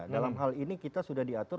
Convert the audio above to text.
dalam hal ini kita sudah diatur